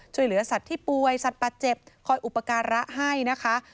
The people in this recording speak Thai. ช่วยเหลือสัตว์ที่ป่วยสัตว์ป่าเจ็บคอยอุปการะให้นะคะ